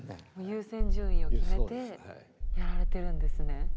優先順位を決めてやられてるんですね。